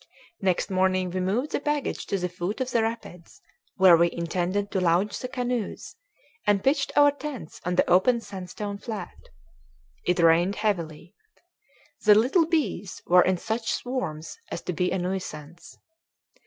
Next morning we moved the baggage to the foot of the rapids, where we intended to launch the canoes, and pitched our tents on the open sandstone flat. It rained heavily. The little bees were in such swarms as to be a nuisance.